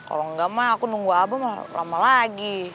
kalau enggak mah aku nunggu abah lama lagi